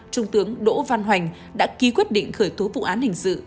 trung tướng đỗ văn hoành đã ký quyết định khởi tố vụ án hình sự